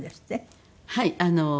はい。